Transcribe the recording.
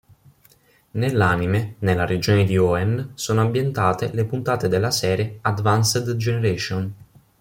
Nell'anime, nella regione di Hoenn sono ambientate le puntate della serie "Advanced Generation".